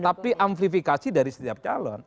tapi amplifikasi dari setiap calon